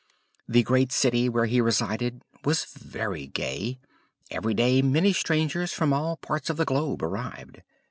The great city where he resided was very gay; every day many strangers from all parts of the globe arrived.